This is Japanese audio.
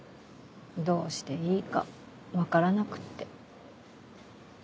どうしていいか分からなくって。